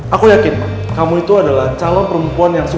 aku yakin kamu itu adalah calon perempuan yang suka